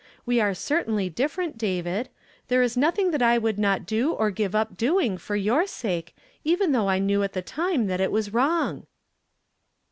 We are certainly different, David. Ihere is nothing that I would not do or give up doing for your sake, even though I knew at the time that it was wrong."